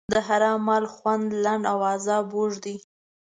د حرام مال خوند لنډ او عذاب اوږد دی.